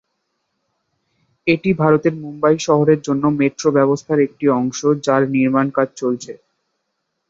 এটি ভারতের মুম্বই শহরের জন্য মেট্রো ব্যবস্থার একটি অংশ, যার নির্মাণ কাজ চলছে।